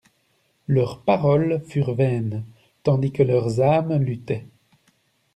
Leurs paroles furent vaines, tandis que leurs âmes luttaient.